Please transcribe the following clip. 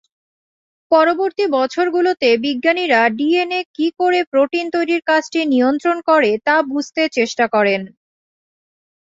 পরবর্তী বছরগুলোতে বিজ্ঞানীরা ডিএনএ কী করে প্রোটিন তৈরির কাজটি নিয়ন্ত্রণ করে তা বুঝতে চেষ্টা করেন।